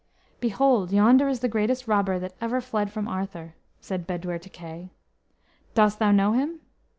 "Behold, yonder is the greatest robber that ever fled from Arthur," said Bedwyr to Kay. "Dost thou know him?"